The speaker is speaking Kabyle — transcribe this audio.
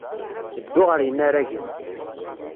Ddu ɣer yinaragen.